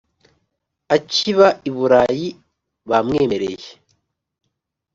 akiba i bulayi bamwemereye